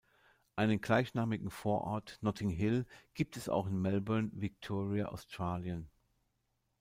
Einen gleichnamigen Vorort Notting Hill gibt es auch in Melbourne, Victoria, Australien.